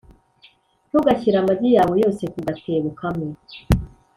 ntugashyire amagi yawe yose mu gatebo kamwe. ”